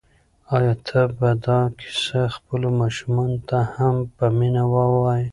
آیا ته به دا کیسه خپلو ماشومانو ته هم په مینه ووایې؟